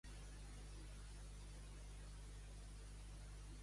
Nascut al castell de Vaudreuil, a prop de Castelnaudary, França.